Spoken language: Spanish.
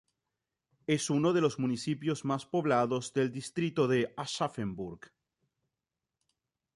Es uno de los municipios más poblados del distrito de Aschaffenburg.